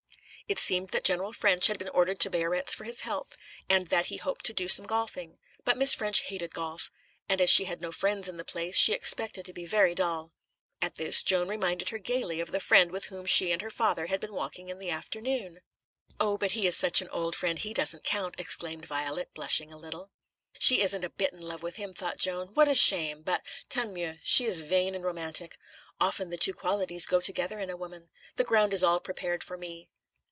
It seemed that General Ffrench had been ordered to Biarritz for his health, and that he hoped to do some golfing; but Miss Ffrench hated golf, and as she had no friends in the place, she expected to be very dull. At this, Joan reminded her gaily of the friend with whom she and her father had been walking in the afternoon. "Oh, but he is such an old friend, he doesn't count," exclaimed Violet, blushing a little. "She isn't a bit in love with him," thought Joan. "What a shame! But tant mieux. She is vain and romantic; often the two qualities go together in a woman. The ground is all prepared for me."